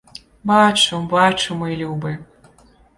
Бачу, бачу, мой любы.